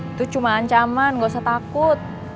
itu cuma ancaman nggak usah takut